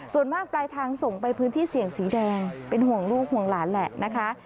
ส่วนมากปลายทางส่งไปพื้นที่เสี่ยงสีแดงเป็นห่วงลูกห่วงหลานแหละนะคะ